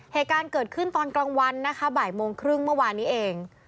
เหตุการณ์เกิดขึ้นตอนกลางวันนะคะบ่ายโมงครึ่งเมื่อวานนี้เอง